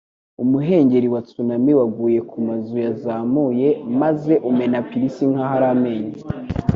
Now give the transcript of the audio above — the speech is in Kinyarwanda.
Umuhengeri wa Tsunami waguye ku mazu yazamuye maze umena pilisi nkaho ari amenyo.